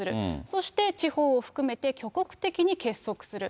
そして地方を含めて挙国的に結束する。